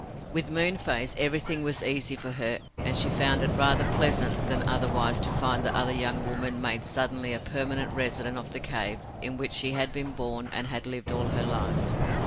With Moonface, everything was easy for her and she found it rather pleasant than otherwise to find the other young woman made suddenly a permanent resident of the cave in which she had been born and had lived all her life.